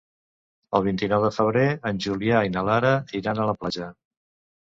El vint-i-nou de febrer en Julià i na Lara iran a la platja.